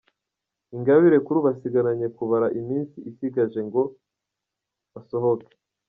Ingabire ubu asigaranye kubara iminsi isigaje ngo asohoke.